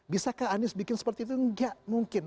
bisakah anies bikin seperti itu enggak mungkin